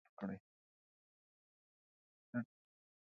د ټولنیزو نهادونو په اړه دقت وکړئ.